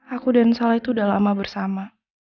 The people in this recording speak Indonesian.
aku dan salah itu udah lama bersama